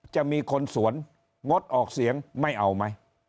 จะมีคนสวนงดออกเสียงไม่เอาไหม